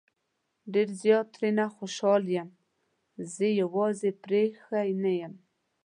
ډېر زيات ترې نه خوشحال يم زه يې يوازې پرېښی نه يم